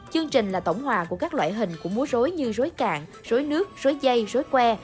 chương trình là tổng hòa của các loại hình của múa rối như rối cạn rối nước suối dây rối que